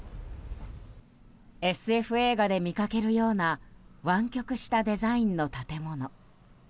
ＳＦ映画で見かけるような湾曲したデザインの建物。